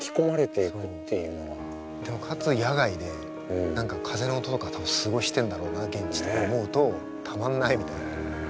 でもかつ野外で何か風の音とか多分すごいしてんだろうな現地とか思うとたまんないみたいな。